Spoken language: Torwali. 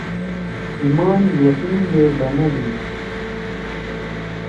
ایمان یقین گے بنَدی۔